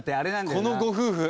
このご夫婦。